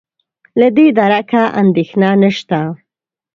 له دې درکه اندېښنه نشته.